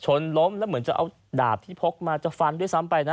ล้มแล้วเหมือนจะเอาดาบที่พกมาจะฟันด้วยซ้ำไปนะ